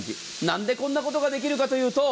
何でこんなことができるかというと。